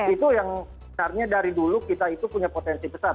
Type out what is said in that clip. itu yang sebenarnya dari dulu kita itu punya potensi besar